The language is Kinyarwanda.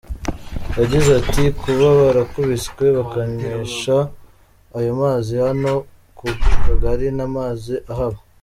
Yagize ati “Kuba barakubiswe bakanyweshwa ayo mazi hano ku kagari nta mazi ahaba.